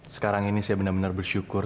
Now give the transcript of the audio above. sekarang ini saya benar benar bersyukur